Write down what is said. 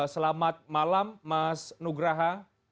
selamat malam mas nugraha